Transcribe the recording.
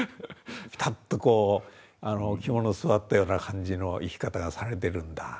ピタッとこう肝の据わったような感じの生き方がされてるんだ。